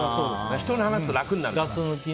人に話すと楽になるから。